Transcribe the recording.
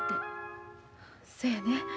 そやね。